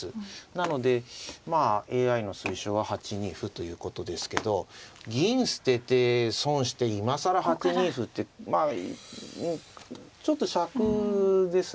なのでまあＡＩの推奨は８二歩ということですけど銀捨てて損して今更８二歩ってまあちょっとしゃくですね。